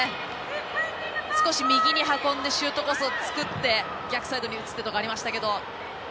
少し右に運んでシュートコースを作って逆サイドにつくのがありましたけど。